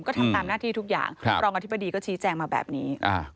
ก็ทำตามหน้าที่ทุกอย่างรองอธิบดีก็ชี้แจงมาแบบนี้